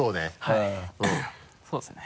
はいそうですね。